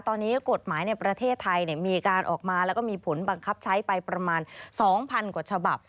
ตอนนี้กฎหมายในประเทศไทยมีการออกมาแล้วก็มีผลบังคับใช้ไปประมาณ๒๐๐๐กว่าฉบับ